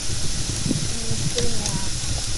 هون مشڪل ۾ هان.